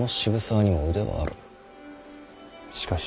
しかし。